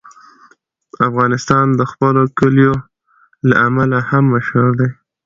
افغانستان د خپلو کلیو له امله هم مشهور دی.